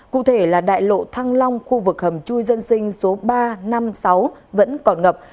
cụ thể là đại lộ thăng long khu vực hầm chui dân sinh số ba trăm năm mươi sáu vẫn còn ngập